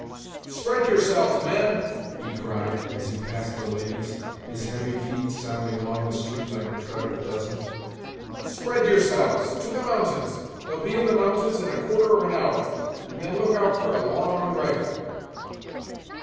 "Spread yourselves, men," he cried, as he passed the ladies, his heavy feet sounding along the street like the tread of a dozen; "spread yourselves; to the mountains; they'll be in the mountains in a quarter of an hour, and then look out for a long rifle."